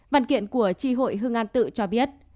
văn kiện của tri hội hương an tự cho biết